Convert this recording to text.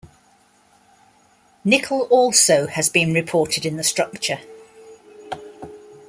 Nickel also has been reported in the structure.